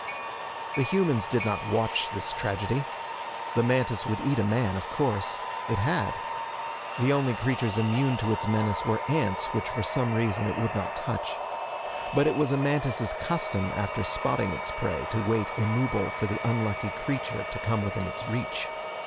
The humans did not watch this tragedy. The mantis would eat a man, of course. It had. The only creatures immune to its menace were ants, which for some reason it would not touch. But it was a mantis' custom after spotting its prey to wait immobile for the unlucky creature to come within its reach.